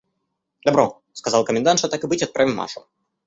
– Добро, – сказала комендантша, – так и быть, отправим Машу.